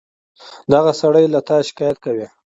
دغه سړى له تا شکايت کوي.